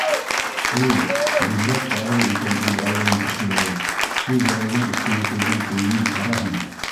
Эй, бигерәк арыу икән үҙ ауылым кешеләре, шул Гәрәйҙең өҫтөнә кейгән кейемен ҡара һуң.